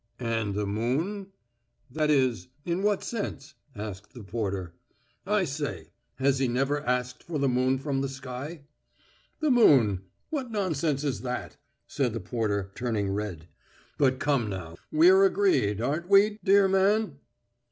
"And the moon?" "That is, in what sense?" asked the porter. "I say, has he never asked for the moon from the sky?" "The moon. What nonsense is that?" said the porter, turning red. "But come now, we're agreed, aren't we, dear man?"